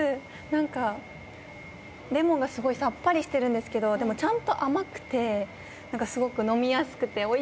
なんかレモンがすごいさっぱりしてるんですけどでもちゃんと甘くてなんかすごく飲みやすくておいしいです。